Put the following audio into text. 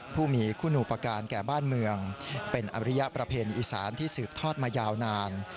ผู้มีคุณูปการณ์แก่บ้านเมืองเป็นอริยประเพณีอีสานที่สืบทอดมายาวนาน